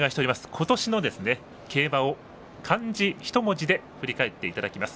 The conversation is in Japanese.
今年の競馬を漢字１文字で振り返っていただきます。